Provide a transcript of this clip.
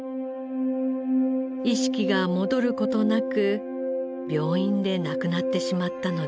意識が戻る事なく病院で亡くなってしまったのです。